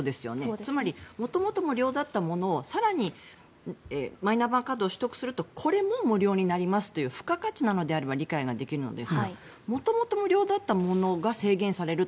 つまり元々無料だったものを更にマイナンバーカードを取得するとこれも無料になりますという付加価値なのであれば理解できるんです。